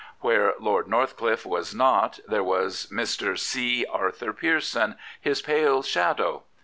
Where Lord Northcliffe was not, there was Mr. C. Arthur Pearson, his pale shadow.